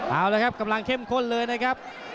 เอาละครับกำลังเข้มข้นเลยนะครับ